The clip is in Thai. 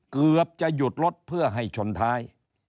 เกือบจะหยุดรถเพื่อให้ชนท้าย